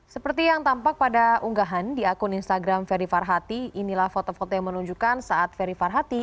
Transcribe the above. seperti yang tampak pada unggahan di akun instagram ferry farhati inilah foto foto yang menunjukkan saat ferry farhati